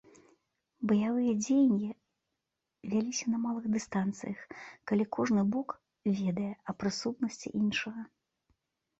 Баявыя дзеянні вяліся на малых дыстанцыях, калі кожны бок ведае аб прысутнасці іншага.